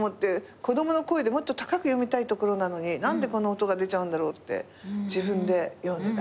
子供の声でもっと高く読みたいところなのに何でこの音が出ちゃうんだろうって自分で読んでて。